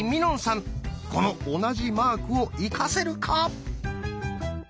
この同じマークを生かせるか？